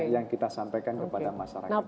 yang kita sampaikan kepada masyarakat